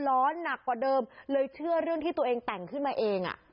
หนักกว่าเดิมเลยเชื่อเรื่องที่ตัวเองแต่งขึ้นมาเองอ่ะ